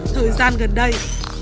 thời gian gần đây